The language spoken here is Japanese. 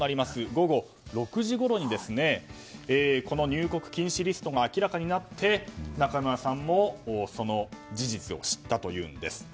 午後６時ごろにこの入国禁止リストが明らかになって中村さんもその事実を知ったというんです。